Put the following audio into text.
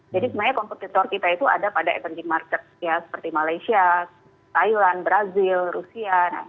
jadi sebenarnya kompetitor kita itu ada pada emerging market ya seperti malaysia thailand brazil rusia